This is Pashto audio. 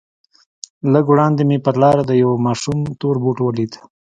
لږ وړاندې مې پر لاره د يوه ماشوم تور بوټ ولېد.